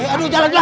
aduh jalan jalan